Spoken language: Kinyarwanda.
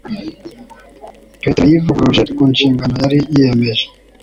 Petero yivuguruje ku nshingano yari yiyemeje.